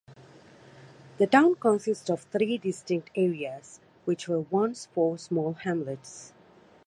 The town consists of three distinct areas, which were once four small hamlets.